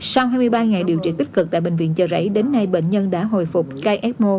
sau hai mươi ba ngày điều trị tích cực tại bệnh viện chợ rẫy đến nay bệnh nhân đã hồi phục ksmo